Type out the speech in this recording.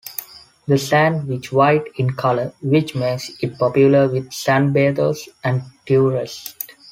The sand is white in colour, which makes it popular with sunbathers and tourists.